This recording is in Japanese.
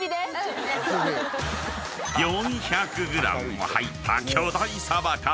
［４００ｇも入った巨大鯖缶］